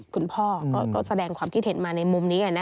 คุณพ่อก็แสดงความคิดเห็นมาในมุมนี้